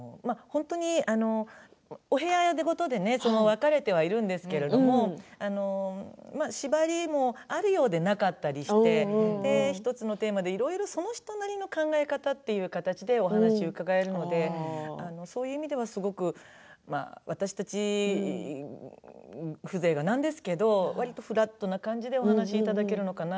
お部屋ごとで分かれてはいるんですけれど縛りもあるようでなかったりして１つのテーマで、いろいろその人なりの考え方という形でお話を伺えるのでそういう意味ではすごく私たちふぜいがなんですけれどもフラットな感じでお話いただけるのかな